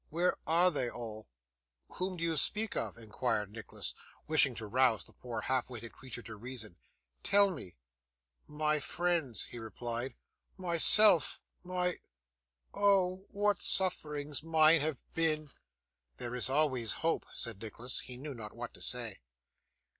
Where are they all!' 'Whom do you speak of?' inquired Nicholas, wishing to rouse the poor half witted creature to reason. 'Tell me.' 'My friends,' he replied, 'myself my oh! what sufferings mine have been!' 'There is always hope,' said Nicholas; he knew not what to say.